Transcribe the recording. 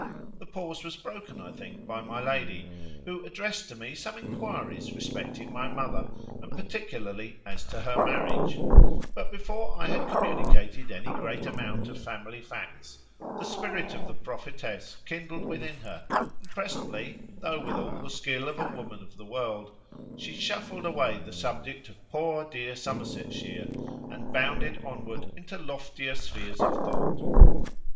The pause was broken, I think, by my lady, who addressed to me some inquiries respecting my mother, and particularly as to her marriage; but before I had communicated any great amount of family facts, the spirit of the prophetess kindled within her, and presently (though with all the skill of a woman of the world) she shuffled away the subject of poor, dear Somersetshire, and bounded onward into loftier spheres of thought.